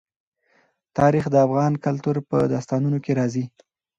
تاریخ د افغان کلتور په داستانونو کې راځي.